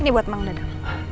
ini buat emang dadah